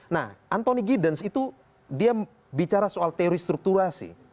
nah anthony giddens itu dia bicara soal teori strukturasi